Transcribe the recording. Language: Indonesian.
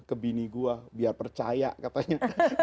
ke bini gue biar percaya katanya